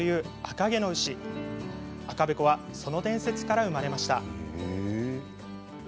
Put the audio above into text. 赤べこはその伝説から生まれました。